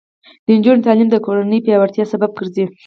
د نجونو تعلیم د کورنۍ پیاوړتیا سبب ګرځي.